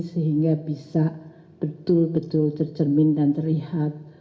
sehingga bisa betul betul tercermin dan terlihat